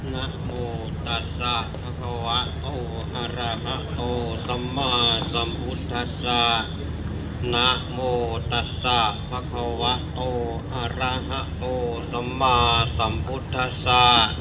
นักโมตัสสะภักขวะโอฮาระฮะโอสัมมาสัมพุทธสะ